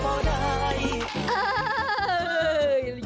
ว้าวก็ว้าวพอได้